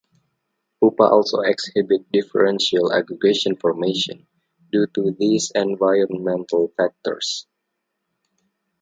Pupa also exhibit differential aggregation formation due to these environmental factors.